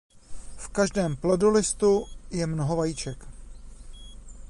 V každém plodolistu je mnoho vajíček.